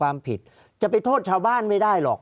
ภารกิจสรรค์ภารกิจสรรค์